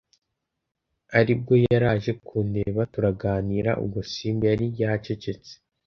aribwo yaraje kundeba turaganira ubwo simbi yari yacecetse